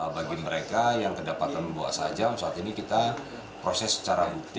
bagi mereka yang kedapatan membawa sajam saat ini kita proses secara bukti